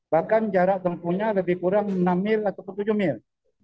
bahkan jarak tempuhnya lebih kurang enam mil ataupun tujuh mil